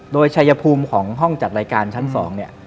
โดยชัยภูมิของห้องจัดรายการชั้น๒เนี่ย